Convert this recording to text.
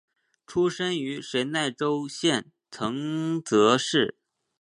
出身于神奈川县藤泽市。